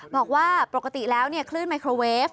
บอกว่าปกติแล้วคลื่นไมโครเวฟ